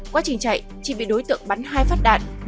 quá trình chạy chị bị đối tượng bắn hai phát đạn